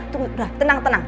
tunggu dah tenang tenang